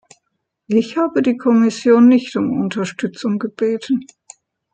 Ich habe die Kommission nicht um Unterstützung gebeten.